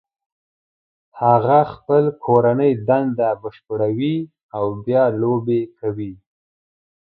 هغه خپل کورنۍ دنده بشپړوي او بیا لوبې کوي